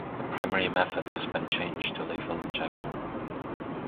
The primary method has been changed to lethal injection.